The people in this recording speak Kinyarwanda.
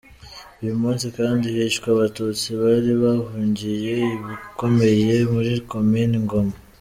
Uyu munsi kandi hishwe Abatutsi bari bahungiye i Bukomeye muri Komini Ngoma.